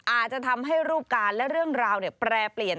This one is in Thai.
อาจจะทำให้รูปการณ์และเรื่องราวแปรเปลี่ยน